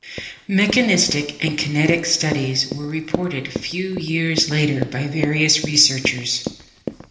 Mechanistic and kinetic studies were reported few years later by various researchers.